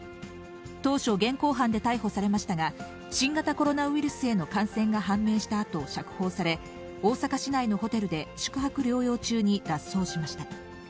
当初、現行犯で逮捕されましたが、新型コロナウイルスへの感染が判明したあと釈放され、大阪市内のホテルで宿泊療養中に脱走しました。